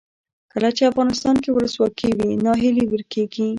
کله چې افغانستان کې ولسواکي وي ناهیلي ورکیږي.